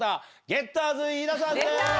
ゲッターズ飯田さんです！